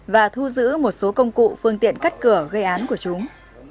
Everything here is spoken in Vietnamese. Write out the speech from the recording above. và thu giữ một số công cụ phương tiện cắt cửa gây án của chúng